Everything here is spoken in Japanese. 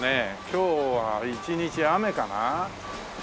今日は一日雨かな？